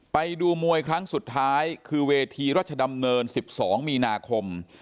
ไปดูมวยครั้งสุดท้ายคือเวทีรัชดำเนิน๑๒มีนาคม